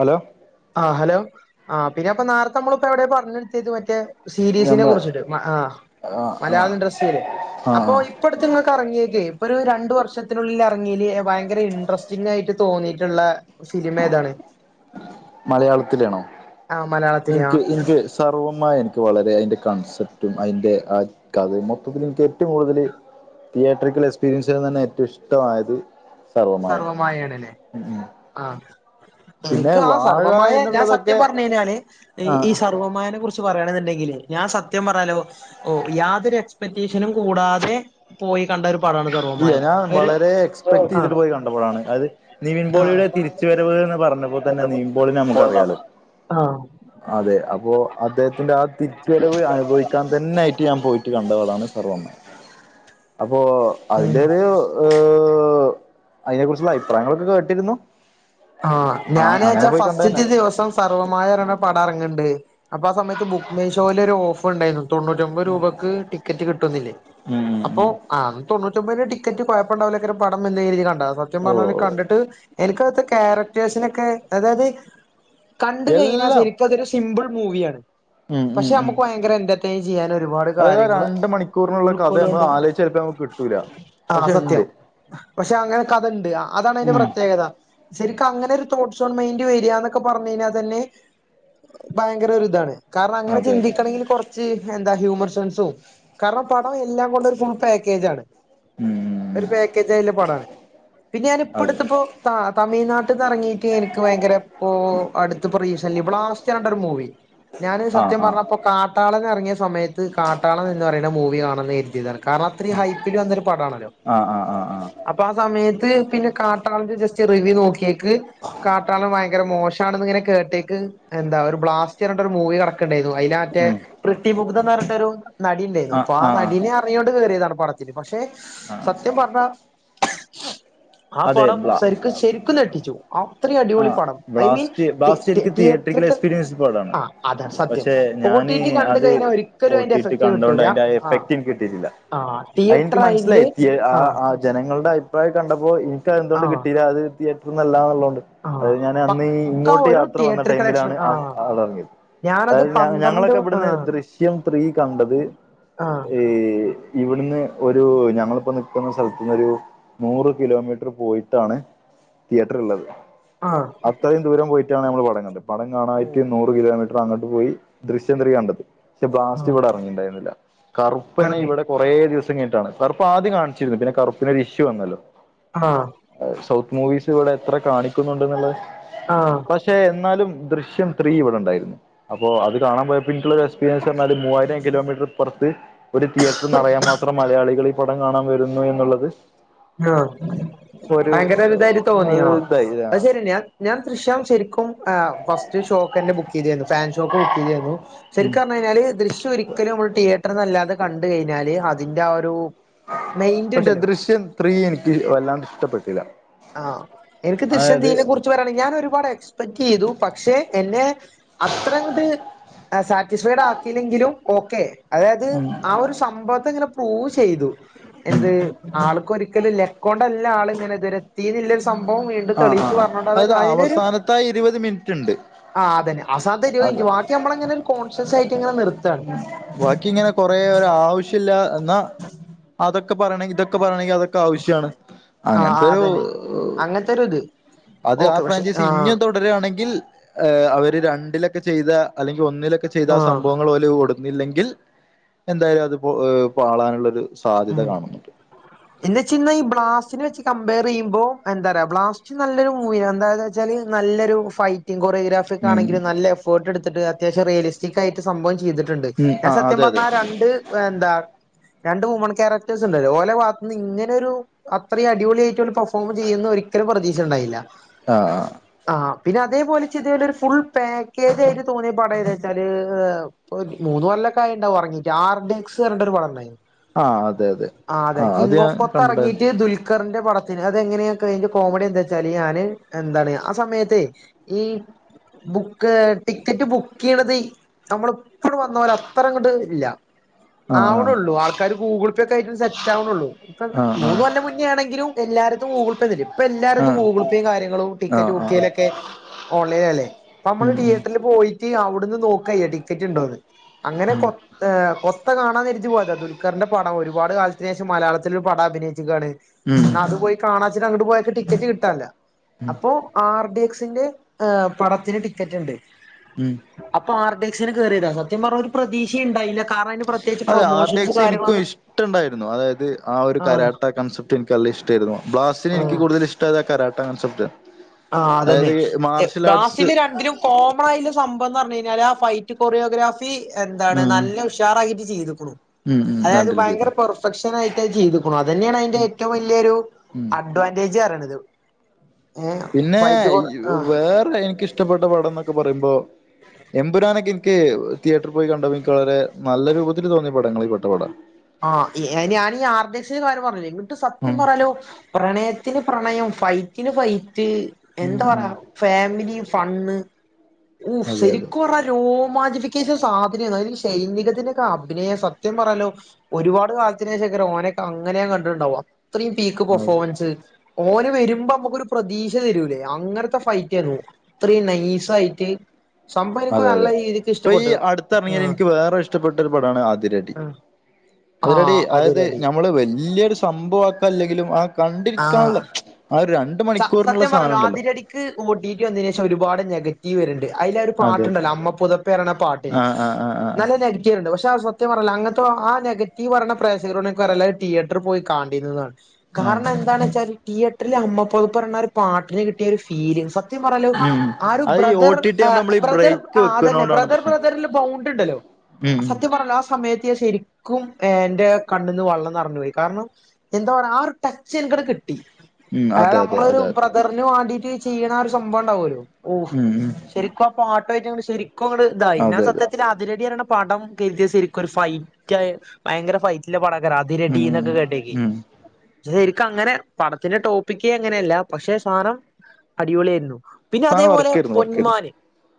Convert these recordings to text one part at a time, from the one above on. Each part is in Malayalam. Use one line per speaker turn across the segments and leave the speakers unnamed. ഹലോ
ആഹ് ഹലോ ആ പിന്നെപ്പൊ നേരത്തെ നമ്മളിപ്പോഎവിടെയ പറഞ്ഞർ ത്തേത് മറ്റേ.. സീരീസിനെ
ഞമ്മളെ
കുറിച്ചിട്ട് മ ആഹ്
ആഹ്
മലയാള
ആഹ്
ഇൻഡസ്ട്രിയില്
ആഹ്
അപ്പൊ
ആഹ്
ഇപ്പടുത്തെങ്ങൾക്ക് ഇറങ്ങിയക്കെ ഇപ്പൊ ഒരു രണ്ടു വർഷത്തിനുള്ളിൽ ഇറങ്ങീല് ഭയങ്കര ഇൻഡ്രസ്റ്റിംങ്ങായിട്ട് തോന്നിയിട്ടുള്ള.. ഫിലിമേതാണ്.
മലയാളത്തിലേണോ
ആ മലയാളത്തില് ആ
എനിക്ക് ഇൻക്ക് സർവമായ എനിക്ക് വളരെ അയ്ൻ്റെ കൺസെപ്റ്റും അയ്ന്റെ ആ കത മൊത്തത്തിൽ എനിക്ക് ഏറ്റവും കൂടുതല്.. തിയേറ്റ്രിക്കൽ എക്സ്പീരിയൻസി തന്നെ ഏറ്റവും ഇഷ്ടമായത് സർവമായ.
ആഹ് എനിക്ക് ആ സർവമായഞാൻ സത്യം
എന്നുള്ളതൊക്കെ
പറഞ്ഞഴിഞാല്
ആഹ്
ഈ സർവ്വമായനെ കുറിച്ച്.. ച്ചു പറയാണെണ്ടെങ്കിൽ ഞാൻ സത്യം പറാലോ യാതൊരുഎക്സ് പെറ്റീഷനും കൂടാതെ പോയി കണ്ടരു
ഇല്ല ഞാൻ വളരെ
ആ
എക്സ്പെക്റ്റെയ്തിട്ട് പോയി കണ്ട പടാണ് അത്
ആ
നിവിൻപോളിയുടെ തിരിച്ചുവര വ്ന്ന് പറഞ്ഞപ്പോ തന്നെ നിവിൻ പോളിനെ നമ്മക്കറിയാലോ.
ആ
അതെ അപ്പോ അദ്ദേഹത്തിന്റെ ആ തിരിച്ചുവരവ് അനുഭവിക്കാൻ തന്നെയിട്ട് ഞാൻ പോയിട്ട് കണ്ടപടാണ് സർവ്വം.
[unintelligible] [inaudible]
അപ്പോ..
ഉം
അതിന്റെരു ഏർ അയ്നെ കുറിച്ചുള്ള അഭിപ്രായങ്ങളൊക്കെ കേട്ടിരുന്നു.
ആഹ്
ആ അങ്ങനെ
ഞാനച്ചാ
പോയി കണ്ടതന്നെ
ഫസ്റ്റ്റ്റ്ത്തേ ദിവസം സർവ്വമായറണ് പടറങ്ങണ്ട്.. അപ്പൊ ആ സമയത്ത്ബുക്ക് മൈ ഷോയിൽഒരു ഓഫണ്ടായിരുന്നു തൊണ്ണൂ റ്റൊമ്പഹ് രൂപക്ക് ടിക്കറ്റ് കിട്ടുന്നില്ലേ
ഉം ഉം
അപ്പോ
ഉം
ആ തൊണ്ണൂറ്റൊമ്പയ്ന്റെ ടിക്കറ്റ് കൊഴപ്പണ്ടാവില്ലെക്കരം പടം നല്ല രീതിൽ കാണ് സത്യം
ഓ
പറഞ്ഞല് കണ്ടിട്ട് എനിക്ക്ത്തേ സിനോക്കെ അതായത് കണ്ട് കഴിഞ്ഞാ
എല്ലാം
ശരിക്കതൊരു സിമ്പിൾ മൂവിയാണ്.
ഉം ഉം
പക്ഷെ
ഉം
അമ്മക്ക് ഭയങ്കര എന്റെ ചെയ്യൻ ഒരുപാട്
അതായത് ആ
കാര്യങ്ങൾ
രണ്ട് മണിക്കൂറിനുള്ള കഥ നമ്മൾ
ഉൾക്കൊണ്ടെള്ള
ആലോചിച്ച ചിലപ്പോ നമുക്ക് കിട്ടൂല
ആ
പക്ഷെ
സത്യം.
ഉണ്ട്
പക്ഷെ അങ്ങനെ കഥണ്ട് അതാണ് അയിന്റെ
ഉം
പ്രത്യേകത. ശരിക്കും അങ്ങനെ ഒരു തോട്ട്സോൺ മൈൻഡ് വര്യ ന്നൊക്കെ പറഞ്ഞഴിഞ്ഞാൽ തന്നെ.. ഭയങ്കര ഒരു ഇതാണ് കാരണം അങ്ങനെ
അതെ അതെ
ചിന്തിക്കണങ്കിൽ കൊറച് എന്താ ഹ്യൂമറ് സെൻസും കാരണം പടം എല്ലാം കൊണ്ടരു ഫുൾ പേ ക്കേജാണ്.
ഉം
ഒരു പാക്കേജ് ആയിള്ള പടാണ് പിന്നെ
അതെ
ഞാനിപ്പോടുത്തിപ്പോ.. തമിഴ്നാട്ടിന്നിറങ്ങിയിട്ട് എനിക്ക് ഭയങ്കര ഇപ്പോ അടുത്ത റീസില്ലുമ്ബ്ലാസ് ട്ടൊരു മൂവി ഞാന്
ആ
സത്യം
ആ
പറഞ്ഞപ്പോ കാട്ടാളൻ എറങ്ങിയ സമയത്ത് കാട്ടാളൻഎന്ന്പറയണ മൂവി കാണം എന്ന്‌ കരുതിയതാണ്. കാരണം അത്രയും ഹൈപ്പില് വന്നൊരു പടാണല്ലോ
ആ ആ ആ ആ
അപ്പൊ ആ സമയത്ത് പിന്നെ കാട്ടാളന്റെ ജസ്റ്റ്.. ചെറിവ്യൂ നോക്കിയക്ക് കാട്ടളം വായ് ങ്കര മോശമാണെന്ന് ഇങ്ങനെ കേട്ടെക്ക് എന്താ ഒരു ബ്ലാസ്റ്റ്റഞ്ഞിട്ട് ഒരു മൂവി കടക്കുണ്ടായിരുന്നു അതിതിന മറ്റേ..
ഉം
പ്രൃതിമുദ്ധ്ന്ന്റഞ്ഞഒരുനടി ണ്ടായിരുന്നു അപ്പൊ ആ നടിനെ അറിയോണ്ട് കേറിയതാണ് പഠ ഇനി പക്ഷെ സത്യം പർഞ്ഞ
അതെ ബ്ല
അത്രയും
ആ
അടിപൊളി പടം ഐ മീൻ
ബ്ലാസ്റ്റ് ബ്ലാസ്റ്റ് എനിക്ക് തിയേറ്റ്രിക്കൽ
തിയേറ്ററിക്കൽ
എക്സ്പീരിയൻസ് പടാണ്
ആ അതാ സത്യം
പക്ഷെ
ഒ ടി
ഞാന്
ടി കണ്ട്
അത്
കഴിഞ്ഞാൽ ഒരിക്കലും അതിന്റെ
ഓട്ടിട്ടി
എഫക്ട്
കണ്ടോണ്ട്
കിട്ടൂല
അയ്ന്റെ ആ എഫക്ട്നിക്ക്‌ കിട്ടീട്ടില്ല
ആ
അയ്ന്ക്ക്
തിയേറ്റർ
മനസ്സിലായി
അതിന്റെ
ഏഹ് ആഹ് ആഹ് ആ ജനങ്ങളുടെ അഭിപ്രായം കണ്ടപ്പോ എനിക്ക്തന്തുകൊണ്ട്
ആ
കിട്ടില്ല ത്തിയേറ്റർന്നല്ലാന്നുള്ള തോണ്ട്.
ആഹ്
അതായത് ഞാൻ അന്ന് ഈ
പക്കാ
ഇങ്ങോട്ട്
ഒരു
യാത്ര വന്ന
തിയേറ്റർ കളക്ഷൻ
ടൈമിലാണ്
ആഹ്
അളറങ്ങിയത്.
ഞാനത്
അതായത് ഞ
പന്ത്രണ്ട്
ഞങ്ങളൊക്കെ ഇവിടുന്ന്
ആഹ്
ദൃശ്യം ത്രീ കണ്ടത്
ആഹ്
ഈ ഇവിടുന്ന് ഒരു ഞങ്ങളിപ്പോ നിക്കുന്ന സ്ഥലത്തന്ന് ഒരു നൂറ്.. കിലോമീറ്റ്ർ പോയിട്ടാണ് തിയേറ്റർള്ളത്
ആഹ്.
അത്രയും ദൂരം പോയിറ്റാണ് നമ്മള് മടങ്ങത് പടം കാണായിട്ട്
ഓഹ്
നൂ ഒരു കിലോമീറ്റർ അങ്ങോട്ട് പോയി ദൃശ്യം ത്രീ കണ്ടത് പക്ഷെ ബ്ലാസ്റ്റ്
ആഹ്
ഇവിടെ ഇറങ്ങിട്ടണ്ടായിരുന്നില്ല. കറുപ്പ്നെ
പറഞ്ഞ്
ഇവിടെ കുറേ ദിവസം കഴിട്ടാണ് കറുപ്പ് ആദ്യം കാണിച്ചിരുന്നു പിന്നെ കറുപ്പിനൊരു ഇഷ്യൂ വന്നല്ലോ
ആഹ്.
അ സൗത്ത് മൂവീസ് ഇവടെ എത്ര കാണിക്കുന്നുണ്ട് എന്നുള്ളത്.
ആഹ്.
പക്ഷെ എന്നാലും ദൃശ്യം ത്രീ ഇവിടെ ണ്ടായിരുന്നു അപ്പോ അത് കാണാ പോയപ്പോ ഇൻകുള്ള പീരിയൻസ് പർഞ്ഞാല് മൂവായിരം കിലോമീറ്റർ ഇപർത് ഒരു തിയേറ്ററ് നറയാ മാത്രം മലയാളികള്. പടം കാണാൻ വരുന്നു എന്നുള്ളത്
ആഹ്
ഒരു
ഭയങ്കരൊരിതായിട്ട് തോന്നിയോ?
ഇതായി
അത് ശരിന്നെയാ ഞാൻ ദൃശ്യം ശരിക്കും ഫസ്റ്റ് ഷോക്കെന്നെ ബു ബുക്ക് ചെയ്തിനു ഫാൻ ഷോക്ക് ബുക്ക് ചെയ്തിരുന്നു
ഉം
ശരിക്ക് പറഞ്ഞ് കിഞ്ഞാല് ദൃശ്യം ഒരിക്കലും നമ്മള് തിയേറ്റ ത്ര നല്ലാ അത് കണ്ട് കയ്ഞ്ഞാല് അതിന്റെ ആ ഒരു മെയ്ന്റ്
പക്ഷെ
ണ്ടല്ലോ?
ദൃശ്യം ത്രീ ഇനിക്ക് വല്ലാണ്ട് ഇഷ്ടപ്പെട്ടില്ല.
ആഹ് എനിക്ക് ദൃശ്യം
അതായത്
ത്രീനെ കുറിച്ച് ത് പറ്യാണെ ഞാൻ ഒരുപാട് എക്സ്പെക്ട് ചെയ്തു പക്ഷെ എന്നെ അത്രങ്ങട്ട്- സാറ്റിസ്ഫൈഡ് ആക്കിയില്ലെങ്കിലും ഓക്കെ അതായത്
ഉം
ആ ഒരു സംഭവത്തെ ഇങ്ങനെ പ്രൂവ് ചെയ്തു എന്ത്? ആൾക്ക് ഒരിക്കലും ലെക്കൊണ്ടല്ല ആള് ഇങ്ങനെതുവരെ. തിനുള്ളരു സംഭവം വീണ്ടും
ആഹ്
തെളിയിച്ചു
ആഹ്
പറഞ്ഞോണ്ട് അവ
അതായത്
അതിനൊരു
അവസാനത്തെ ആ ഇരുപത് മിനിറ്റ് ഉണ്ട്
ആഹ് അതന്നെ അവസാനത്തെ ഇരുപ
അതെ
മിൻറ്റ് ബാക്കി നമ്മളങ്ങനെ ഒരു കോൺഷ്യസ് ആയിട്ട് ങ്ങനെ നിർത്താണ്.
ബാക്കി ഇങ്ങനെ കൊറേ ഒരാവശ്യല്ലാ എന്നാ അതൊക്കെ പറയണം ഇതൊക്കെ പറയണമെങ്കി അതൊക്കെ ക്കാവശ്യാണ്
ആഹ്
അങ്ങൻത്ത്
ആഹ്
ഒ-
അതന്നെ
ഓഹ്
അങ്ങനത്തൊരു ഇത്
അത് ആ
ഓക്കെ പക്ഷെ
ഫ്രാഞ്ചൈസി
ആഹ്
ഇഞ്ഞ് രാണെങ്കിൽ ഏഹ് അവര് രണ്ടിലൊക്കെ ചെയ്ത അല്ലെങ്കി ഒന്നിലൊക്കെ ചെയ്ത ആ
ആഹ്
സംഭവങ്ങൾ ഓല് കൊട് ല്ലെങ്കിൽ എന്തായാലും അത് പോ ഏഹ് പാളാനുള്ളരു സാധ്യത കാണുന്നുണ്ട്.
പിന്നെച്ന്ന ഈ ബ്ലാസ്റ്റിന വെച്ച് കമ്പയ റെയ്യുമ്പോ എന്താറ്യ ബ്ലാസ്റ്റ് നല്ലൊരു മൂവി എന്ത ഇത്. ച്ചാൽ നല്ലൊരു ഫൈറ്റിംഗ്
ഉം
കൊറിയോഗ്രാഫിസാണെങ്കില് നല്ല എഫോർട്ട് ഇട്ത്ത്ട്ട് അത്യാവശ്യം റേല് റ്റിക്കായിട്ട് സംഭവം ചെയ്തിട്ടുണ്ട്
ഉം
ഞാൻ
ആഹ്
സത്യം
അതെ അതെ
പറഞ്ഞാ രണ്ട് എന്താ രണ്ട് വുമൺ കാരക്ടേഴ്‌സ് ഉണ്ടല്ലോ ഓലെ ഭാഗത്തന്ന് ഇങ്ങനെ ഒരു അത്രീ അടിപൊളിയായിട്ട് ഓല് പെർഫോം ചെയ്യുംന്ന് ഒരിക്കലും പ്രതീക്ഷ ണ്ടായില്ല.
ആഹ്.
ആഹ് പിന്നെ അതേപലെ ചിതേല് ഒരു ഫുൾ പാക്കേജ് ആയിട്ട് തോന്നിയ പടം ഏതാ വെച്ചാല് പൊ മൂന്ന് കൊല്ലൊക്കെ ആയിണ്ടാവും എർങ്ങിട്ട് ആർഡിങ്ങ്സ് ർഞ്ഞിട്ടൊരു പടംണ്ടായി
ആഹ് അതെ അതെ.
ആഹ് അതെ
അത്
കിങ്
ഞാൻ
ഓഫ് കൊത്ത്
കണ്ടിണ്ടായിരുന്നു
ഇറങ്ങിട്ട് ദുൽ കർന്റെ പടത്തിന് അതെങ്ങനെയൊക്കെ അയ്ന്റെ കോമഡി എന്താച്ചാല് ഞാന് എന്താണ് ആ സമയത്തെ. ഈ ബുക്ക് ടിക്കറ്റ് ബുക്ക് ചെയ്യണത് നമ്മള് പ്പണ് വന്നോര് അത്രങ്ങട്ട് ഇല്ല
ആഹ്
ആവണള്ളൂ ആൾക്കാര് ഗൂഗിൾ. ക്കായിട്ട് സെറ്റ് ആവ്ണള്ളൂ ഇപ്പ
ആഹ്
മൂന്ന്
ആഹ്
കൊല്ലം മുന്നേ ആണെങ്കിലും എല്ലാര്തും ഗൂഗ്ൾ പേ തരും. ഇപ്പൊ എല്ലാടത്തും
ആഹ്
ഗൂഗിൾ പേയും കാര്യങ്ങളുംടിക്കറ്റ്
ആഹ് ആഹ് ആഹ്
ബുക്കെയിലൊക്കെ ഓൺലൈൻ അല്ലേ അപ്പൊ നമ്മള്
ഉം ഉം
തിയേറ്ററിൽ പോയി ഈ അവ്ടുന്ന് നോക്കയ്യ ടിക്കറ്റ് ണ്ടോന്ന് അങ്ങനെ
ഉം
കൊ ഏഹ് കൊ- ത്ത കാണാന്നെര്തിട്ട് പോയതാ ദുൽഖർന്റെ പടം ഒരുപാട് കാലത്തിന് ശേഷം മലയാളത്തിലരു പടം അഭിനയിച്ചുകാണ്.
മ്ഹ്
അ പോയി കാണാച്ചിട്ട് അങ്ങട്ട് പോയക്ക് ടിക്കറ്റ് കിട്ടാല്ല
ഉം
അപ്പൊ ആർ ഡി എക്സിന്റെ ആ പടത്തിന് ടിക്കറ്റ്ണ്ട്.
ഉം.
അപ്പൊ ആർ ടി സിന് കേറിയതാ സത്യം പറഞ്ഞ ഒരു പ്രതീക്ഷയുംഇണ്ടായില്ല കാരണം അയിന് പ്രത്യേകിച്ച് പ്രൊമോഷൻസും കാര്യങ്ങളും അങ്ങ്
ട്ടണ്ടായിരുന്നു അതായത് ആ ഒരു കരാട്ട കൺസെപ്റ്റ് എനിക്ക് നല്ല ഇഷ്ടാരുന്നു ബ്ലാസ്റ്റിനെ എനിക്ക്
ആഹ്
കൂടുതൽ ഇഷ് ടതാ കാരാട്ടാ കൺസെപ്റ്റ്
ആഹ് അതെന്നെ ബാസില് രണ്ടിലും കോ മ്മളായില് സംഭവംന്ന് പറഞ്ഞ് കഴിഞ്ഞാല് ആ ഫൈറ്റ് കൊറിയോഗ്രാഫി തീ എന്താണ്
ഉം
നല്ല ഉഷാറായിട്ട് ചെയ്ത്ക്ക്ണു
ഉം ഉം
അതായത്
രണ്ടിലും
ഭയങ്കര
ചെയ്തു
പെർഫെക്ഷൻ ആയിട്ട് അത് ചെയ്ത്ക്ക്ണു അതെന്നെയാണ് അയിന്റെ ഏറ്റവും വല്യൊരു
ഉം
അഡ്വാൻറ്റേജ് അറിയണത് ഏഹ്
പിന്നെ
ഫൈറ്റ് കൊ ആഹ്
വേറെ എനിക്കിഷ്ടപ്പെട്ട പടം എന്നൊക്കെ പറയുമ്പോ എംമ്പുരാനൊക്കെ ഇൻക്ക് തിയേറ്ററിൽ പോയി കണ്ടതിൽ ഇൻക്ക് വളരെ നല്ല രൂപത്തിൽ തോന്നിയ പടങ്ങളിൽ പെട്ട പടാണ്
ആ ഞാനീ ഈ ആർ ടി സി കാര്യം പറഞ്ഞ്ല്ലേ ഇങ്ങട്ട് സത്യം
ഉം
പറയാലോ പ്രണയത്തിന് പ്രണയം ഫൈറ്റിന് ഫൈറ്റ്
ഉം
എന്താ
ഉം
പറയ ഫാമിലി ഫൺ ണ്ണ് ഓ
അതെ അതെ
ശെരിക്ക് പറഞ്ഞാല് രോമാഞ്ചിഫിക്കേഷൻ സാധനേന്നു അയില് ഷൈനിംഗത്തിന്റെ ഒക്കെ അഭിനയം സത്യം പറയാലോ ഒരുപാട് കാലത്തിന് ശേഷക്കെ ഓനെക്കെ അങ്ങനെ കണ്ടിട്ടുണ്ടാവുവ അത്രയും പീക്ക്
അതെ
പെർഫോമൻസ് ഓന് വരുമ്പോ നമുക്കൊരു പ്രതീക്ഷ തരൂലേ അങ്ങനത്തെ ഫൈറ്റേന്നു അത്രയും നൈസായി തീ
അതെ അതെ ഇപ്പൊ ഈ അട്ത്തെറങ്ങിയതിൽ
ആഹ്
എനിക്ക് വേറെ ഇഷ്ടപ്പെട്ടൊരു പടാണ് അതിരടി
ആഹ്
അതിരടി
ആഹ്
അതായത്
അതിരടി
ഞ നമ്മള് വല്യൊരു സംഭവാക്കാൻ ഇല്ലെങ്കിലും ആ
ആഹ്
കണ്ടിരിക്കാൻള്ളെ ആ ര മണിക്കൂറിനൊള്ള സാനം ഉണ്ടല്ലോ
ക്ക് ഒ ടി ടി വന്നതിന് ശേഷം ഒരുപാട് നെഗ ഇവരിണ്ട് അയിലാ ഒര്
അതെ
പാട്ട്ണ്ടല്ലോ അമ്മ പുതപ്പേ പറിണ പാട്ട്
ആ ആ ആ ആ
നല്ല നെ ക്കേരുണ്ട് പക്ഷെ ആ സത്യം പറയല്ലോ അങ്ങനത്തെ ആ നെഗറ്റീവ് പറയ്ണ പ്രേക്ഷകരോട് എനിക്ക് പറയാള്ളെ തിയേറ്ററിൽ പോയി കാൺണ്ടിരുന്നതാണ്
ആ
കാരണം എന്താണ് വെച്ചാല് തിയേറ്ററിൽ അമ്മ പൊതപ്പ് പറിണ ഒരു പാട്ടിന് കിട്ടിയ ഒരു ഫീല് സത്യം പറഞ്ഞാല്
ഉം
ആ ഒരു
അത് ഈ ഒ
ബ്രദർ
ടി ടി ആകുമ്പോ നമ്മൾ ഈ
ബ്രദർ
ബ്രേക്ക്
ആ അതെന്നെ
വെക്കുന്നോണ്ടാണ്
ബ്രദർ
പ്രശ്നം
ബ്രദറിൽ ബൗണ്ട് ഇണ്ടല്ലോ
ഉം ഉം
സത്യം പറയല്ലോ ആ സമയത്ത് ഞാൻ ശരി ക്കും എന്റെ കണ്ണ്ന്ന് വെള്ളം ന്നെറഞ്ഞുപോയി കാരണം എന്താ പറഞ്ഞെ ആ ഒരു ടച്ച് എനിക്കിടെ കിട്ടി
ഉം അതെ
അതായത്
അതെ
നമ്മള് ഒരു
അതെ അതെ
ബ്രദറിന് വാണ്ടീട്ട് ചെയ്യ്ണ ആ ഒരു സംഭവം ഇണ്ടാവൊല്ലോ ഓ
ഉം ഉം
ശരിക്കും ആ പാട്ടായിറ്റങ്ങട്ട് ശരിക്കും അങ്ങട് ഇതായി ഞാൻ
അതെ അതെ
സത്യത്തിൽ അതിരടി പറയിണ പടം കേറ്റിയ സരിക്കും ഒരു ഫൈറ്റായി ഭയങ്കര ഫൈ ല്ല പടേക്കാരം അതിരടി
ഉം
എന്നൊക്കെ കേട്ടെക്കി
ഉം
ശെരിക്ക് അങ്ങെനെ പടത്തിന്റെ ടോ പ്പിക്കെ അങ്ങനെയല്ല പക്ഷെ സാനം അടിപൊളിയായിരുന്നു പിന്നെ
സാധനം
അതേപോലെ
വർക്കായിരുന്നു വർക്കായിരുന്നു
പൊന്മാന്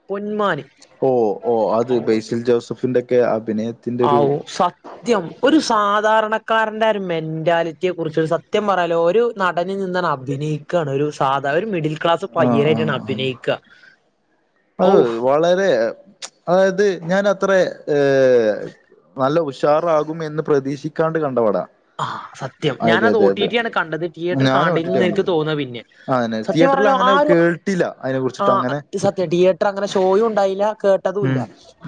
പൊന്മാന്
ഓ ഓഹ് അത് ബേസിൽ ജോസഫിന്റൊക്കെ അഭിനയത്തിന്റെ ഒരു
ഫ ത്യം ഒരു സാധാരണക്കാരന്റെ ഒരു മെന്റാലിറ്റിയെക്കുറിച്ച് ഒരു സത്യം പറയാല്ലോ ഒരു നടൻ നിനിന്നാണ് അഭിനയി ക്കാണല്ലോ ഒരു സാധാ ഒരു മിഡിൽ ക്ലാസ്
ആഹ്
പയ്യനായിട്ട്
ആഹ് ആഹ്
അഭിനയിക്ക്അ
അത് വളരെ അതായത് ഞാൻ അത്രെ ഏ നല്ല കുശ് സ്റ്റാറാകുമെന്ന് പ്രതീക്ഷിക്കാണ്ട് കണ്ടപട
ആഹ് സത്യം ഞാനത് ഒ ടി ടി ആണ് കണ്ടത് തിയേറ്റർ
ഞാനും ഒ ടി
കാണേന്നു
ടി യാ
എനിക്ക്
കണ്ടത്
തോന്നാ പിന്നെ
അങ്ങനെ
സത്യം
തിയേറ്ററിൽ
പറഞ്ഞാ ആ
അങ്ങനെ
ഒരു
കേട്ടില്ല അതിനെ
ആ
കുറിച്ചിട്ട് അങ്ങനെ
സത്യ തീയേ ങ്ങനെ ഷോയും ഉണ്ടായില്ല കേട്ടതുംല്ല
ഉം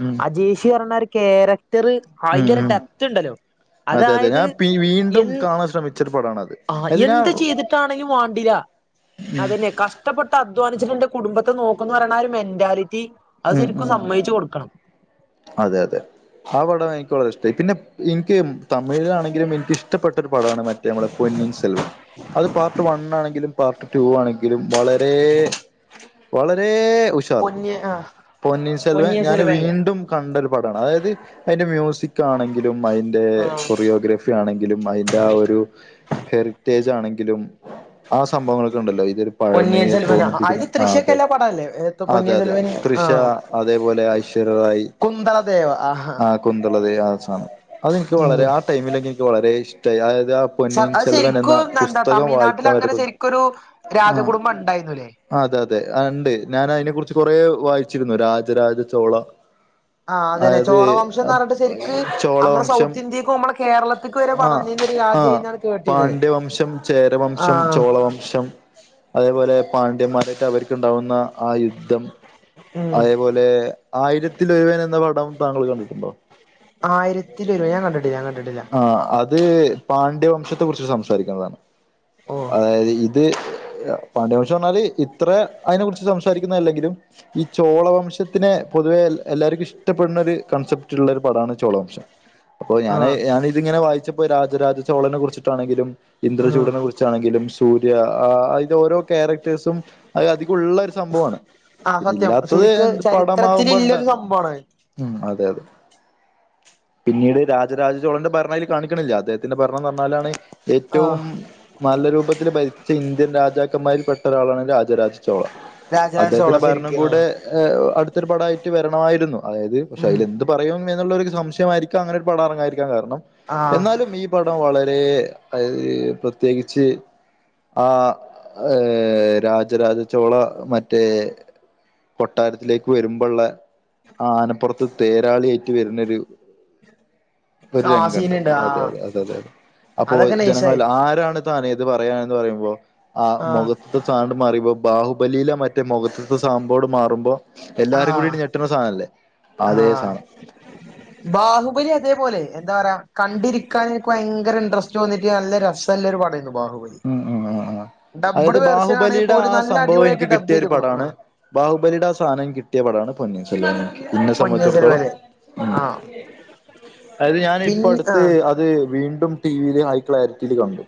ഉം
അജേഷി പറഞ്ഞ ഒരു ക്യാരക്ടറ് ആ
ഉം
അയിന്റെ ഒരു
ഉം
ഡെപ്ത്ത് ഇണ്ടല്ലോ
അതെ അതെ
അതായത്
ഞാൻ പി വീണ്ടും
എൻ
കാണാൻ ശ്രമിച്ചൊരു പടാണത്
ആഹ്‌
അത് ഞാൻ
എന്ത് ചെയ്തിട്ടാണെക്കിലും വാണ്ടില അതെന്നെ കഷ് ഷ്ടപ്പെട്ട് അധ്വാനിച്ചിട്ട് എന്റെ കുടുംബത്തെ നോക്കുംന്ന് പറയ്ണ ആ ഒരു മെന്റാലിറ്റി അത്
ഉം
ശരിക്കും
ഉം
സമ്മയിച്ചു കൊടുക്കണം
അതെ അതെ ആ പടം എനിക്ക് വളരെ ഇഷ്ടായി പിന്നെ ഇൻക്ക് മ് തമിഴിലാണെങ്കിലും എനിക്ക്ഷ്ടപ്പെട്ട ഒരു പടാണ് മറ്റേ നമ്മളെ പൊന്നീൻ സെൽവൻ അത് പാർട്ട് വണ്ണാണെങ്കിലും പാർട്ട് ട്ടു ആണെങ്കിലും വളരെ വളരെ ഉഷാർ
പൊന്നി ആഹ്
പൊന്നിൻ ഷെൽവൻ
പൊന്നിയിൻ
ഞാന്
സെൽവല്ലേ
വീണ്ടും കണ്ടൽപടാണ് അതായത് അയ്ന്റെ മ്യൂസിക്കാണെങ്കിലും അയ്ന്റെ
ആഹ്
കൊറിയോഗ്രഫി ആണെങ്കിലും അതിന്റെ ആ ഒരു ഹെറിറ്റേജ് ആണെങ്കിലും ആ സംഭവങ്ങൾക്കെണ്ടല്ലോ ഇതില്
പൊന്നിയൻ
പഴമയെ
സെൽവന
തോന്നിപ്പിക്കുന്ന
അതില്
ആ അതെ
തൃശ്യൊക്കെല്ല പടല്ലേ
അതെ
പൊന്നിയൻ
അതെ
സെൽവന്
തൃശ
ആഹ്
അതേപോലെ ഐശ്വര്യറായി
കുന്തളദേവ ആഹാ
ആ കുന്തളത് ആസാം അതെനിക്ക് വളരെ
ഉം
ആ ടൈമില് ട്ട് വളരെ ഇഷ്ടായി അയായത് ആഹ് പൊന്നീൻ
അത്
സെൽവൻ എന്ന
ശരിക്കും എന്താ
പുസ്തകം
തമിഴ്നാട്ടിൽ
വായിക്കാൻ
അങ്ങനെ
വരകുന്ന്
ശരിക്കൊരു
ആഹ്
രാജകുടുംബം ഉണ്ടായിരുന്നുല്ലേ
അതെ അതെ ആ ഇണ്ട് ഞാൻ അയിനെ കുറിച്ച് കൊറേ വായിച്ചിരുന്നു രാജരാജ ചോള
ആഹ് അതന്നെ
അത്
ചോളവംശം എന്ന് പറഞ്ഞിട്ട് ശരിക്ക് നമ്മടെ
ചോളവംശം
സൗത്ത് ഇന്ത്യക്കും നമ്മളെ കേരളത്തിക്ക് വരെ
ആഹ്
പടർന്നിരുന്ന ഒരു
ആഹ്
രാജ്യായിന്നാണ് കേട്ടിരുന്നത്
പാണ്ഡ്യവംശം ചേരവംശം
ആഹ്
ചോളവംശം അതേപോലെ പാണ്ഡ്യന്മാരായിട്ട് അവർക്ക്ണ്ടാവുന്ന ആ യുദ്ധം
ഉം
അതേപോലെ ല്ലെ ആയിരത്തിലൊരുവൻ എന്ന പടം താങ്കൾ കണ്ടിട്ടുണ്ടോ
ആയിരത്തിലൊരുവൻ ഞാൻ കണ്ടിട്ടില്ല ഞാൻ കണ്ടിട്ടില്ല
ആഹ് അത് ത് പാണ്ഡ്യവംശത്തെ കുറിച്ച് സംസാരിക്ക്ണതാണ്
ഓ
അതായത് ഇത് [unintelligible] ഇത്ര അയിനെ കുറിച്ച് സംസാരിക്കുന്ന അല്ലെങ്കിലും ഈ ചോളവംശത്തിനെ പൊതുവേ എല്ലാർക്കും ഇഷ്‌ ട്ടപ്പെടുന്നര് കൺസെപ്റ്റുള്ളര് പടാണ് ചോളവംശം. പ്പപ്പോ
ആഹ്
ഞാനഅ് ഞാനി ഇതിങ്ങനെ വായി രാജരാജ ചോളനെ കുറിച്ചിട്ടാണെങ്കിലും
ആഹ്
ഇന്ദ്രചൂടനെ കുറി കുറിചാണെങ്കിലും സൂര്യ അയിന്റെ ഓരോ ക്യാരക്ടേഴ്സും അഅ് അധികുള്ളരു സംബൊവാണ്
ആഹ്
പിന്നെ ഇല്ലാത്തത് എന്ത് പടമാവുമ്പോണ്ടാ
അംബാണഅ്
ഉം അതെ അതെ പിന്നീട് രാജരാജചോളന്റെ ഭരണം അയില് കാണിക്ക്ണില്ല അദ്ദേഹത്തിന്റെ ഭരണം ന്ന് പറഞ്ഞാലാണ്
ആഹ്
ഏറ്റവും നല്ലരൂപത്തിൽ ഭരിച്ച ഇന്ത്യൻ രാജാക്കന്മാരിൽ പെട്ട ഒരാളാണ് രാജരാജ് ചോള
രാജരാജ ചോള
അദ്ദേഹത്തിന്റെ ഭരണം
ശരിക്ക്
കൂടെ
ആഹ്
എഅട്ത്തരു പാടായിട്ട് വരണമായിരുന്നു അയായത് പക്ഷെ
ഉം
അതിലെന്തും പറയും എന്നുള്ളോര്ക്ക് സംശയമായിരിക്കാം അങ്ങനെരു പടം അറങ്ങായിരിക്കാൻ കാരണം
ആഹ്
എന്നാലും ഇ പടം വളരെ പ്രത്യേകിച്ച് ആ ഏ രാജരാജചോള മറ്റേ കൊട്ടാരത്തിലേക്ക് വരുമ്പള്ളെ ആഹ് ആനപ്പൊറത്ത് തേരാളി ഏറ്റു വര്ന്നരു ഒരു
ആ
രംഗണ്ട്
സീനുണ്ട് ആ
അതെ അതെ അതെതെ അപ്പോ
അതൊക്കെ നൈസായി
ജനങ്ങളിൽ ആരാണത് ഇത് പറയാനന്ന് പറയുമ്പോ ആ മുഖ സാണ്ട് [unintelligible] ബാഹുബലിയിലെ മറ്റേ മുഖത്തെ സാമ്പോട് മാറുമ്പോ എല്ലാരും കൂടി ഞെട്ട [unintelligible]
ആഹ് ബാഹുബലി അതേപോലെ എന്താ പറയാ കണ്ടിരിക്കാൻ എനിക്ക് ഭയങ്കര ഇൻട്രസ്റ്റ് തോന്നിട്ട് നല്ല രസ നല്ലൊരു പടം ആയിരുന്നു ബഹുബലി
ഉം ഉം ഉം ഉം അതായത്
ഡബ്ബ്ഡ് വേർഷനാണെ
ബാഹുബലിയുടെ
പോലും നല്ല അടിപൊളി ആയിട്ട് ഡബ് ചെയ്ത്ക്ക്ണ് ആ
ബാഹുബലിടെ ആ സാധനം കിട്ടിയ പടാണ്
പൊന്നിയിൻ സെൽവൻ
[unintelligible]
ആ
[unintelligible] അത് ഞാന്
പിൻ ആ
ഇപ്പടുത്ത് അത് വീണ്ടും ടീവില് ഹൈ ക്ലാരിറ്റീല് കണ്ടു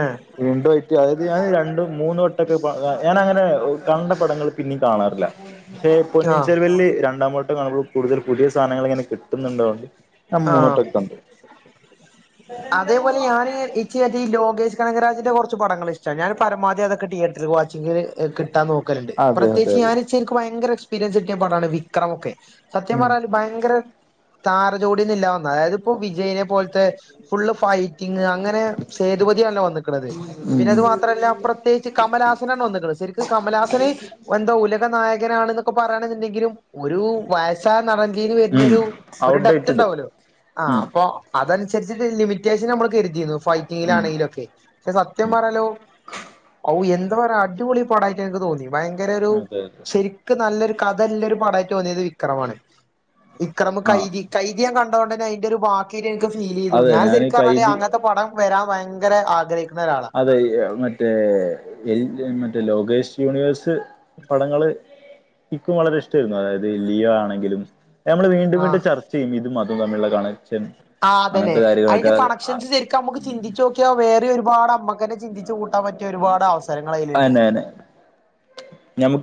ആഹ്
വീണ്ടുപറ്റി അതായത് ഞാന് രണ്ടും മൂന്ന് വട്ടൊക്കെ ഞാനങ്ങനെ കണ്ട പടങ്ങൾ പിന്നീം കാണാറില്ല പക്ഷേ
ആ
പൊന്നിൻ ചെർവലില് രണ്ടാംമട്ടം കാണുമോൾ കൂടുതൽ പുതിയ സാധനങ്ങൾ ഇങ്ങനെ കിട്ടും
ആ ആ അത്
[unintelligible]
പോലെ ഞാന് ഈ ലോകേഷ് കനകരാജന്റെ കുറച്ച് പടങ്ങൾ ഇഷ്ടാ, ഞാൻ പരമാവധി അതക്കെ തിയേറ്ററിൽ വാച്ചിങ്ങിൽ കിട്ടാൻ നോക്കും ഉണ്ട്
അതെ അതെ
പ്രത്യേകച്ച്
അതെ
ഞാനിച്ചിരികെ എനിക്ക് ഭയങ്കര എക്സ്പീരിയൻസ് കിട്ടിയ പടമാണ് വിക്രം ഒക്കെ സത്യം
ഉം
പറ ഭയങ്കര താര ജോഡി ഒന്നില്ലാതെ വന്ന അതായത് ഇപ്പോ വിജയിനെ പോലത്തെ ഫുള്ള് ഫൈറ്റ് ഫൈറ്റിങ്ങ് അങ്ങനെ സേതുപതിയല്ലേ വന്നിക്കണത്
ഉം
പിന്നെ അത് മാത്രല്ല പ്രത്യേകിച്ച് കമലാസനാണ് വന്നേക്കുന്നത് ശരിക്കും കമലാസനെ എന്താ ഉലക നായകനാണ് എന്ന് പറയണണ്ടെങ്കിലും ഒരു വയസായ നടൻ കയറി
ഉം
വരുന്നൊരു ഡെപ്ത്
ഔട്ട്ഡേറ്റഡ്
ഉണ്ടാവ ആ
ഉം
അപ്പൊ അതനുസരിച്ചട്ട് ലിമിറ്റേഷൻ നമ്മൾ കരുതിയിരുന്നു
ഉം
ഫൈറ്റിങ്ങിലാണെങ്കിലൊക്കെ പക്ഷെ സത്യം പറാലോ ഓ എന്താ പറയാ അടിപൊളി പടായിട്ട് എനിക്ക് തോന്നി. ഭയങ്കര ഒരു
അതെ അതെ
ശരിക്കു നല്ലൊരു കഥയയുളെളാരു പാടമായിട്ട് തോന്നിയത് വിക്രമാണ്. വിക്രമ്
ആ
കൈതി, കൈതി ഞാൻ കണ്ടതുകൊണ്ട് തന്നെ അതിന്റെ ഒരു ബാക്കീ എനിക്ക് ഫീൽ ചെയ്തു
അതെ
ഞൻ
ഞാൻ
ശരിക്കും പറഞ്ഞാല്
കൈതി
അക്കനത്തെ പടം, വരാൻ ഭയങ്കര ആഗ്രഹിക്കുന്ന ഒരാളാ
അതെ മറ്റേ എൽ [unintelligible] മറ്റേ ലോകസ്റ്റ് യൂണിവേഴ്സ് പടങ്ങള് എനിക്കും വളരെ ഇഷ്ടമായിരുന്നു അതായത് ലിയോ ആണെങ്കിലും നമ്മൾ വീണ്ടും വീണ്ടും ചർച്ച ചെയ്യും ഇതും അതും തമ്മിലുള്ള കണ
ആ അതന്നെ അതിന്റെ കണക്ഷൻസ് ശരിക്കും നമുക്ക് ചിന്തിച്ചു നോക്കി വേറെ ഒരുപാട് നമ്മക്കനെ ചിന്തിച്ച് കൂട്ടാൻ പറ്റിയ ഒരുപാട് അവസരങ്ങൾ അയില്ണ്ട്.
ഞമുക്ക്